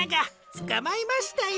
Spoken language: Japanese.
つかまえましたよ。